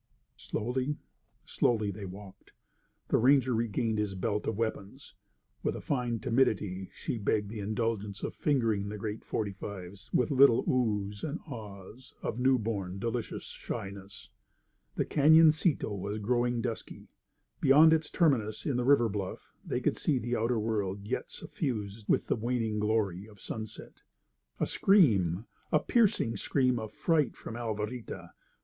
Slowly, slowly they walked. The ranger regained his belt of weapons. With a fine timidity she begged the indulgence of fingering the great .45's, with little "Ohs" and "Ahs" of new born, delicious shyness. The cañoncito was growing dusky. Beyond its terminus in the river bluff they could see the outer world yet suffused with the waning glory of sunset. A scream—a piercing scream of fright from Alvarita.